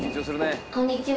こんにちは。